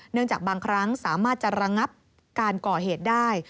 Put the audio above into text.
จากบางครั้งสามารถจะระงับการก่อเหตุได้